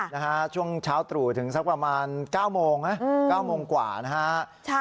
นะคะช่วงเช้าตรู่ถึงสักประมาณเก้าโมงนะเก้าโมงกว่านะคะใช่